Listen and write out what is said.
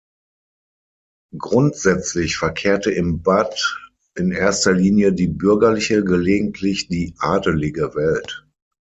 Grundsätzlich verkehrte im Bad in erster Linie die bürgerliche, gelegentlich die adelige Welt.